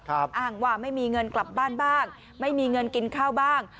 อ้างว่าไม่มีเงินกลับบ้านบ้างไม่มีเงินกินข้าวบ้าง